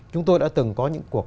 chúng tôi đã từng có những cuộc